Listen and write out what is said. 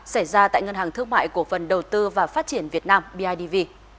xảy ra tại ngân hàng thương mại cổ phần đầu tư và phát triển việt nam bidv